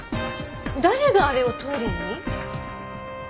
誰があれをトイレに？